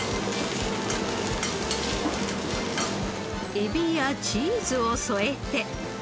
エビやチーズを添えて。